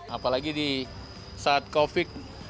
apalagi di saat covid sembilan belas